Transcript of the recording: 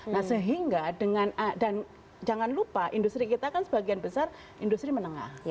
nah sehingga dengan dan jangan lupa industri kita kan sebagian besar industri menengah